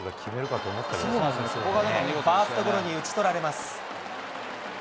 ファーストゴロに打ち取られます。